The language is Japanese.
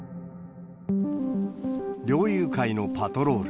猟友会のパトロール。